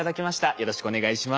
よろしくお願いします。